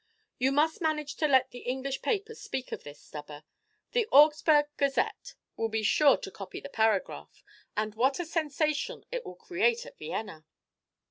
"You must manage to let the English papers speak of this, Stubber. The 'Augsburg Gazette' will be sure to copy the paragraph, and what a sensation it will create at Vienna!"